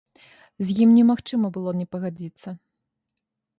З ім немагчыма было не пагадзіцца.